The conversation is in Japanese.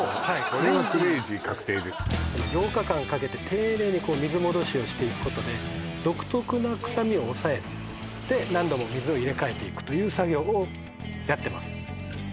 この８日間かけて丁寧に水戻しをしていくことで独特な臭みを抑えるで何度も水を入れ替えていくという作業をやってます